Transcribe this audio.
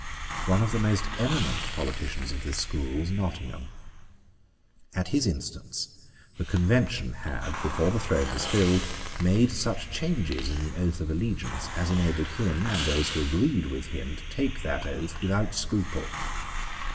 One of the most eminent politicians of this school was Nottingham. At his instance the Convention had, before the throne was filled, made such changes in the oath of allegiance as enabled him and those who agreed with him to take that oath without scruple.